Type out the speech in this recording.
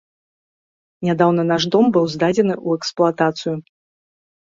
Нядаўна наш дом быў здадзены ў эксплуатацыю.